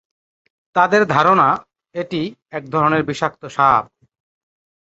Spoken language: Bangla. তাদের ধারণা, এটি একধরনের বিষাক্ত সাপ।